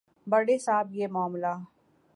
بڑے صاحب یہ معاملہ